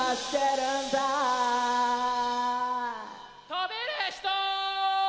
跳べる人？